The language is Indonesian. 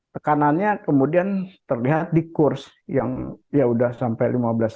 tekanannya kemudian terlihat di kurs yang ya udah sampai lima belas lima